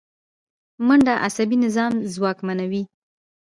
منډه عصبي نظام ځواکمنوي